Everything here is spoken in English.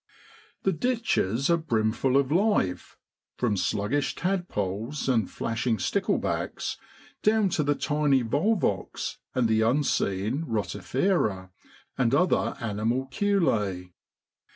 The ditches are brimful of life, from sluggish tadpoles and flashing stickle backs, down to the tiny Volvox and the unseen Rotifera and other animalculse.